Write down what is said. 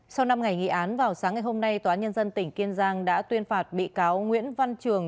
sau năm ngày nghị án vào sáng ngày hôm nay tòa án nhân dân tỉnh kiên giang đã tuyên phạt bị cáo nguyễn văn trường